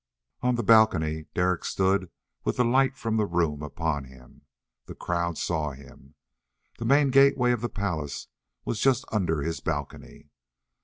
On the balcony Derek stood with the light from the room upon him. The crowd saw him. The main gateway of the palace was just under his balcony.